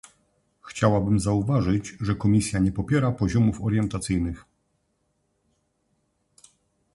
Chciałabym zauważyć, że Komisja nie popiera poziomów orientacyjnych